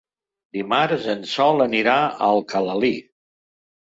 Dimarts en Sol anirà a Alcalalí.